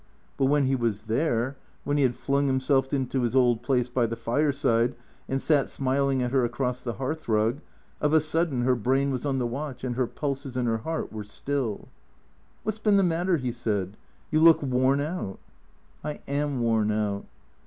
But when he was there, when he had flung himself into his old place by the fireside and sat smiling at her across the hearthrug, of a sudden her brain was on the watch, and her pulses and her heart were still, " Wliat 's been the matter ?" he said. " You look worn out." " I am worn out."